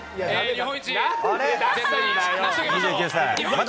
日本一だ！